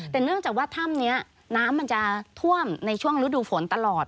แต่เนื่องจากว่าถ้ำนี้น้ำมันจะท่วมในช่วงฤดูฝนตลอด